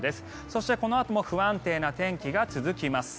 そして、このあとも不安定な天気が続きます。